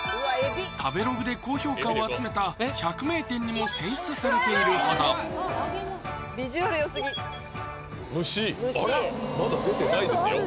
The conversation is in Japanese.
食べログで高評価を集めた「百名店」にも選出されているほどビジュアルよすぎ蒸しあら？